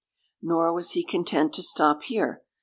Nor was he content to stop here.